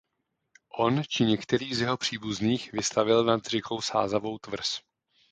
On či některý z jeho příbuzných vystavěl nad řekou Sázavou tvrz.